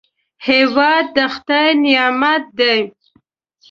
هېواد د خدای نعمت دی